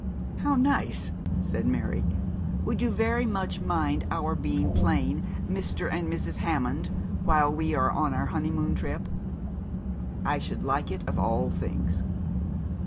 'How nice!' said Mary; 'would you very much mind our being plain Mr. and Mrs. Hammond, while we are on our honeymoon trip?' 'I should like it of all things.'